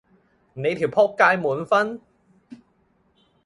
你條僕街滿分？